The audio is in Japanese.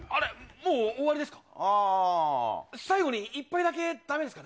もう終わりですか。